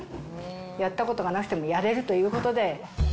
やったことがなくてもやれるということで。